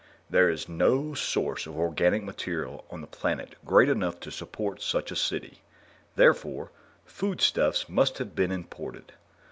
There is no source of organic material on the planet great enough to support such a city; therefore, foodstuffs must have been imported.